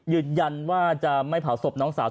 ยืนยันว่าจะไม่เผาศพน้องสาว